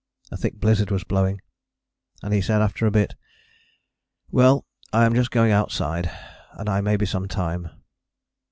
A thick blizzard was blowing, and he said, after a bit, "Well, I am just going outside, and I may be some time."